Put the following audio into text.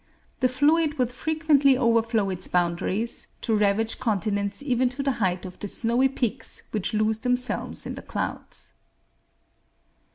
The fluid would frequently overflow its boundaries, to ravage continents even to the height of the snowy peaks which lose themselves in the clouds.